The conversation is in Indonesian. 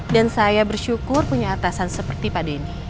dan saya bersyukur punya atasan seperti pak denny